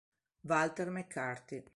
Walter McCarty